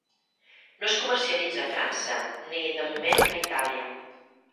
No es comercialitza a França ni, de moment, a Itàlia.